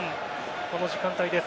この時間帯です。